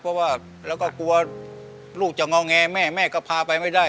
เพราะว่าแล้วก็กลัวลูกจะงอแงแม่แม่ก็พาไปไม่ได้